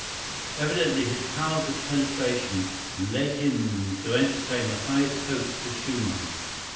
Evidently his powers of penetration led him to entertain the highest hopes for Schumann.